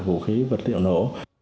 vũ khí vật liệu nổ